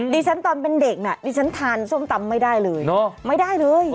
ดิฉันตอนเป็นเด็กน่ะดิฉันทานส้มตำไม่ได้เลย